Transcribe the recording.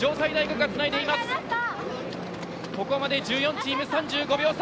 ここまで１４チーム３５秒差。